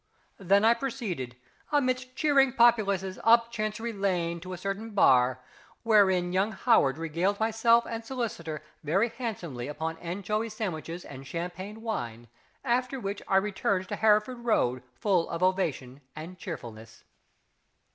Then I proceeded, amidst cheering populaces, up Chancery Lane to a certain Bar, wherein young HOWARD regaled myself and solicitor very handsomely upon anchovy sandwiches and champagne wine, after which I returned to Hereford Road full of ovation and cheerfulness.